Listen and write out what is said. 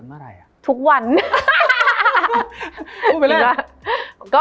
มันทำให้ชีวิตผู้มันไปไม่รอด